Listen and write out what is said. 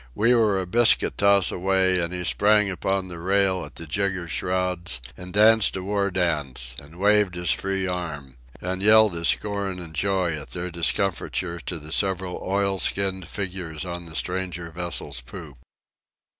We were a biscuit toss away, and he sprang upon the rail at the jigger shrouds and danced a war dance and waved his free arm, and yelled his scorn and joy at their discomfiture to the several oilskinned figures on the stranger vessel's poop.